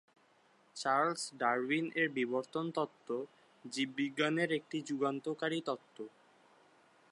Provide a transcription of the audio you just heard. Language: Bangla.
চার্লস ডারউইন এর বিবর্তন তত্ত্ব জীববিজ্ঞান এর একটি যুগান্তকারী তত্ত্ব।